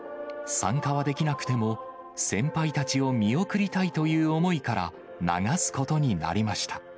参加はできなくても、先輩たちを見送りたいという思いから、流すことになりました。